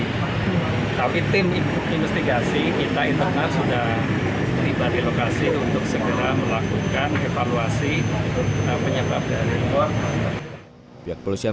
tapi tim investigasi kita internal sudah tiba di lokasi untuk segera melakukan evaluasi penyebab dari